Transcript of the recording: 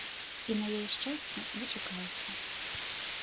І, на яе шчасце, дачакалася.